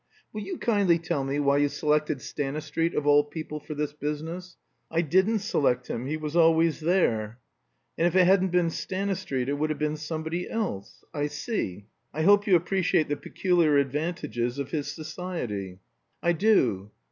"Will you kindly tell me why you selected Stanistreet of all people for this business?" "I didn't select him he was always there." "And if it hadn't been Stanistreet it would have been somebody else? I see. I hope you appreciate the peculiar advantages of his society?" "I do.